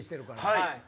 はい。